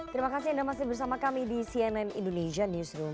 terima kasih anda masih bersama kami di cnn indonesia newsroom